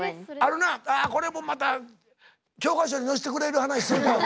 あのなこれもまた教科書に載せてくれる話するけどもな。